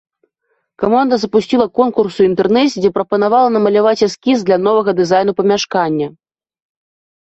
Каманда запусціла конкурс у інтэрнэце, дзе прапанавала намаляваць эскіз для новага дызайну памяшкання.